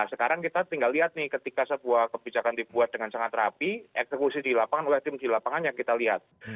sekarang kita tinggal lihat nih ketika sebuah kebijakan dibuat dengan sangat rapi eksekusi di lapangan oleh tim di lapangan yang kita lihat